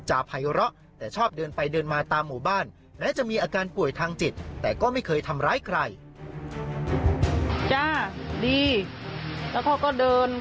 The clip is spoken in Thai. จำที่กดดันก็เพราะว่าเลี้ยงเหลือด่าอย่างเงิน